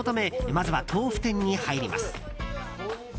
まずは豆腐店に入ります。